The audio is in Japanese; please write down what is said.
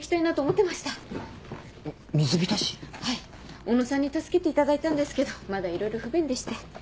はい小野さんに助けていただいたんですけどまだいろいろ不便でして。